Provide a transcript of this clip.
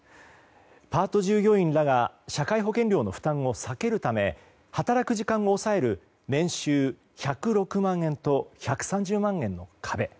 パート従業員らが社会保険料の負担を避けるため働く時間を抑える年収１０６万円と１３０万円の壁。